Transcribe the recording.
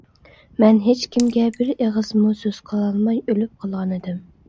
مەن ھېچكىمگە بىر ئېغىزمۇ سۆز قىلالماي ئۆلۈپ قالغانىدىم.